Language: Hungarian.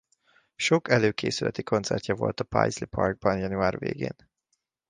Sok előkészületi koncertje volt a Paisley Park-ban január végén.